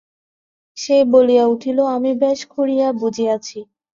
সে বলিয়া উঠিল, আমি বেশ করিয়া বুঝিয়াছি।